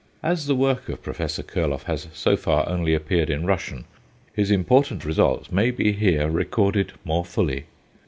As the work of Prof. Kurloff has so far only appeared in Russian, his important results may be here recorded more fully.